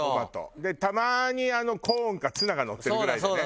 でたまにコーンかツナがのってるぐらいでね。